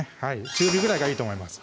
中火ぐらいがいいと思います